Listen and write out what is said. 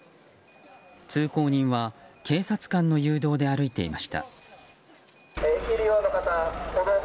通行人は警察官の誘導で歩いていました。